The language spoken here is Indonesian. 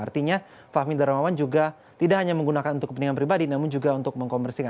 artinya fahmi darmawan juga tidak hanya menggunakan untuk kepentingan pribadi namun juga untuk mengkomersikan